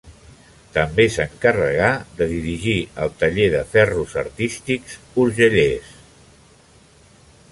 També s'encarregà de dirigir el Taller de Ferros Artístics Urgellès.